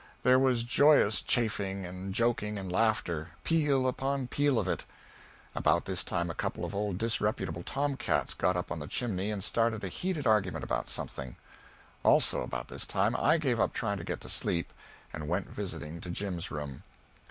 There was joyous chaffing and joking and laughter peal upon peal of it. About this time a couple of old disreputable tom cats got up on the chimney and started a heated argument about something; also about this time I gave up trying to get to sleep, and went visiting to Jim's room.